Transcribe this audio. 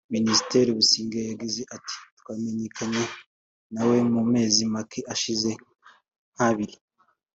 Minisitiri Busingye yagize ati “Twamenyanye na we mu mezi make ashize nk’abiri